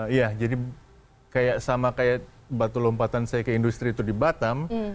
iya jadi kayak sama kayak batu lompatan saya ke industri itu di batam